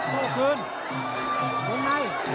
โทษคืนลงใน